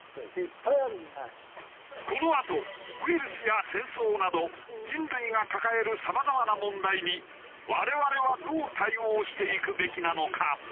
このあとウイルスや戦争など人類が抱えるさまざまな問題に我々はどう対応していくべきなのか？